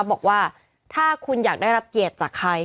บอกว่าถ้าคุณอยากได้รับเกียรติจากใคร